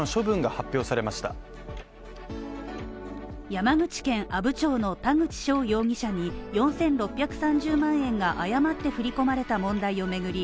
山口県阿武町の田口翔容疑者に４６３０万円が誤って振り込まれた問題を巡り